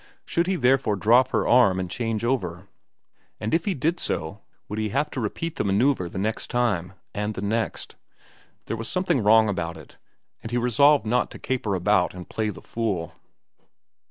Should he therefore drop her arm and change over? And if he did so, would he have to repeat the manoeuvre the next time? And the next? There was something wrong about it, and he resolved not to caper about and play the fool.